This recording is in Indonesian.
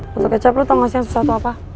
botol kecap lu tau gak sih yang susah atau apa